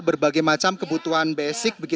berbagai macam kebutuhan basic